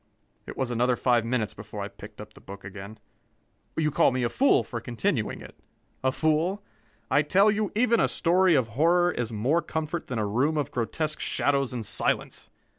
It was another five minutes before I picked up the book again. You call me a fool for continuing it? A fool? I tell you, even a story of horror is more comfort than a room of grotesque shadows and silence.